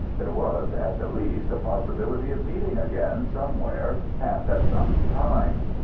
There was, at the least, a possibility of meeting again, somewhere, and at some time.